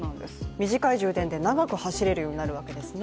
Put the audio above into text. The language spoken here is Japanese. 短い充電で長く走れるようになるんですね。